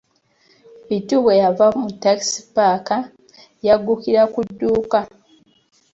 Bittu bwe yava mu takisi paaka yaggukira ku dduuka